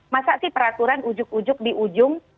masa sih peraturan ujuk ujug di ujung